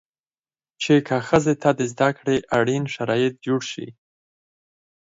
چې که ښځې ته د زده کړې اړين شرايط جوړ شي